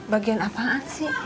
bagian apaan sih